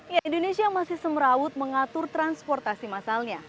ya indonesia masih semerawut mengatur transportasi massalnya